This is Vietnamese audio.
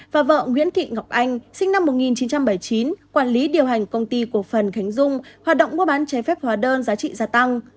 và vợ nguyễn thị ngọc anh sinh năm một nghìn chín trăm bảy mươi chín quản lý điều hành công ty cổ phần khánh dung hoạt động mua bán trái phép hóa đơn giá trị gia tăng